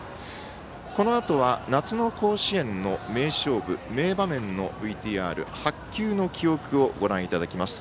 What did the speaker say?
このあとは、夏の甲子園の名勝負、名場面のＶＴＲ白球の記憶をご覧いただきます。